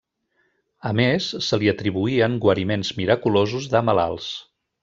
A més, se li atribuïen guariments miraculosos de malalts.